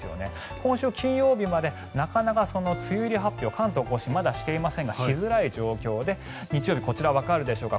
今週金曜日までなかなか梅雨入り発表関東・甲信はまだしていませんがしづらい状況で日曜日、わかるでしょうか